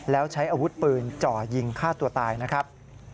แล้วใช้อาวุธปืนจ่อยิงฆ่าตัวตายนะครับ